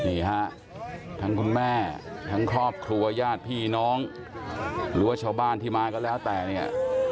นี่ฮะทั้งคุณแม่ทั้งครอบครัวญาติพี่น้องหรือว่าชาวบ้านที่มาก็แล้วแต่เนี่ย